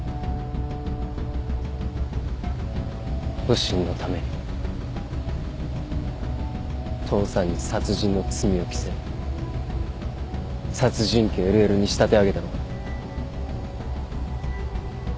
保身のために父さんに殺人の罪を着せ殺人鬼・ＬＬに仕立て上げたのか？